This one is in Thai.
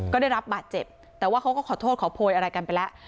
ก็ได้รับบาดเจ็บแต่ว่าเขาก็ขอโทษขอโพยอะไรกันไปแล้ว